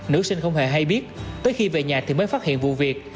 nữ sinh không hề hay biết tới khi về nhà thì mới phát hiện vụ việc